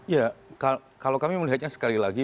ya kalau kami melihatnya sekali lagi